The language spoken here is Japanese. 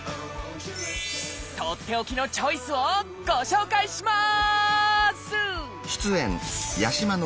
とっておきのチョイスをご紹介します！